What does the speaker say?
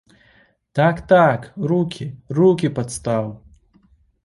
Так-так, рукі, рукі, падстаў.